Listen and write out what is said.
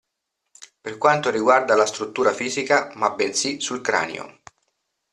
Per quanto riguarda la struttura fisica ma bensì sul cranio.